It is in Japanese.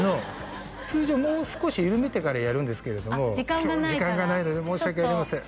通常もう少しゆるめてからやるんですけれども今日時間がないので申し訳ありません